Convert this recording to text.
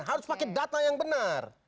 harus pakai data yang benar